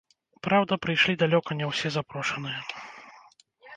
Праўда, прыйшлі далёка не ўсе запрошаныя.